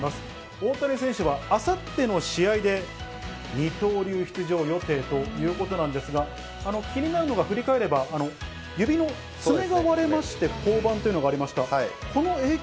大谷選手はあさっての試合で二刀流出場予定ということなんですが、気になるのが、振り返れば、指の爪が割れまして降板というのがありました。